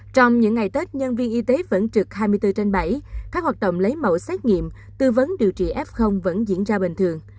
trong những ngày tết nhân viên y tế vẫn trực hai mươi bốn trên bảy các hoạt động lấy mẫu xét nghiệm tư vấn điều trị f vẫn diễn ra bình thường